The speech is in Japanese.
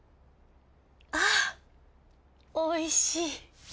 あおいしい。